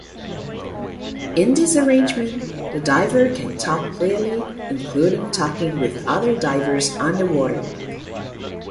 In this arrangement the diver can talk clearly, including talking with other divers underwater.